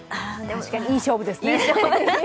確かにいい勝負ですね。